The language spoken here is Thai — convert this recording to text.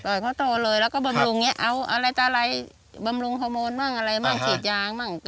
ปล่อยเขาโตเลยแล้วก็บำรุงแบบนี้เอาอะไรจะอะไรบำรุงฮอร์โมนบ้างอะไรบ้างจีดยางบ้าง